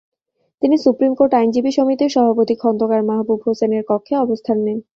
তিনি Supreme Court আইনজীবী সমিতির সভাপতি খন্দকার মাহবুব হোসেনের কক্ষে অবস্থান নেন।